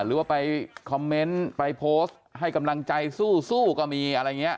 หรือว่าไปคอมเมนต์ไปโพสต์ให้กำลังใจสู้ก็มีอะไรอย่างนี้